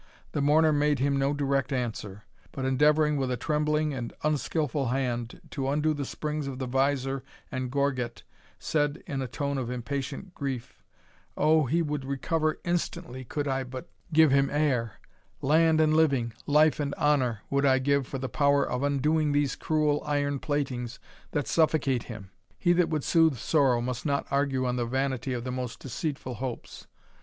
The mourner made him no direct answer; but endeavouring, with a trembling and unskilful hand, to undo the springs of the visor and gorget, said, in a tone of impatient grief, "Oh, he would recover instantly could I but give him air land and living, life and honour, would I give for the power of undoing these cruel iron platings that suffocate him!" He that would soothe sorrow must not argue on the vanity of the most deceitful hopes.